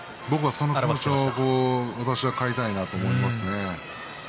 その気持ちを私は買いたいと思いますね。